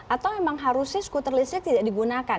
atau memang harusnya skuter listrik tidak digunakan